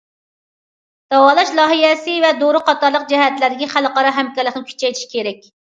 داۋالاش لايىھەسى ۋە دورا قاتارلىق جەھەتلەردىكى خەلقئارا ھەمكارلىقنى كۈچەيتىش كېرەك.